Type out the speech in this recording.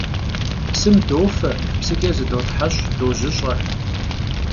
Psım dofe, psıç'e zıdotheş', dojış'e.